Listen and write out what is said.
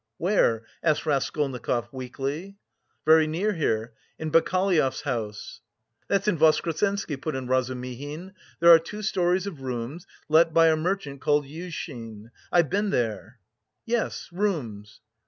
"Where?" asked Raskolnikov weakly. "Very near here, in Bakaleyev's house." "That's in Voskresensky," put in Razumihin. "There are two storeys of rooms, let by a merchant called Yushin; I've been there." "Yes, rooms..."